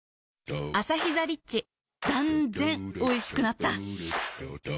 断然おいしくなった